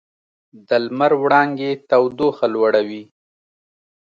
د لمر وړانګې تودوخه لوړوي.